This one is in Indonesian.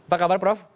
apa kabar prof